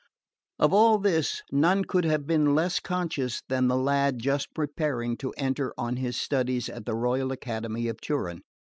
Of all this none could have been less conscious than the lad just preparing to enter on his studies at the Royal Academy of Turin.